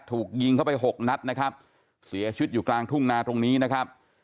ถูกยิงเข้าไปหกนัดนะครับเสียชีวิตอยู่กลางทุ่งนาตรงนี้นะครับ